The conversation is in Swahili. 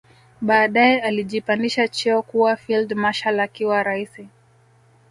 Baadae alijipandisha cheo kua field marshal akiwa raisi